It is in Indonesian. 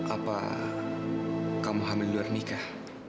apa kamu hamil luar nikah